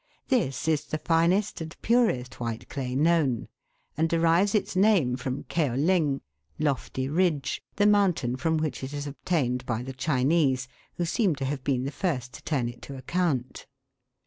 This is the finest and purest white clay known, and derives its name from Kaoling, "lofty ridge," the mountain from which it is obtained by the Chinese, who seem to have been the first to turn it to account.